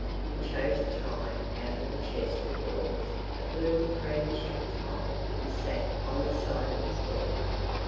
He chose a tie out of the chest of drawers, a blue and cream check tie, and sat on the side of his bed.